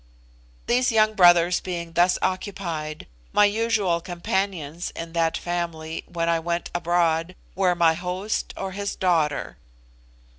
These young brothers being thus occupied, my usual companions in that family, when I went abroad, were my host or his daughter.